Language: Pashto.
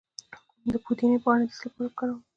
د پودینې پاڼې د څه لپاره وکاروم؟